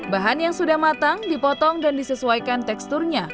bahan yang sudah matang dipotong dan disesuaikan teksturnya